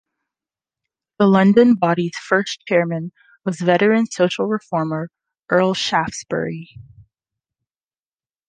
The London body's first chairman was veteran social reformer, Earl Shaftesbury.